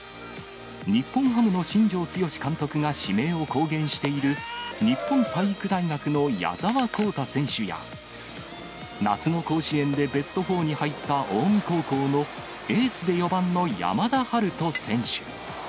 日本ハムの新庄剛志監督が指名を公言している日本体育大学の矢澤宏太選手や、夏の甲子園でベスト４に入った近江高校のエースで４番の山田陽翔選手。